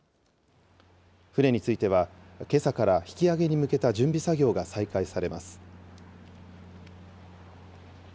船については、けさから引き揚げに向けた準備作業が再開されます。